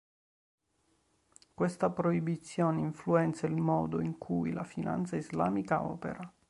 Questa proibizione influenza il modo in cui la finanza islamica opera.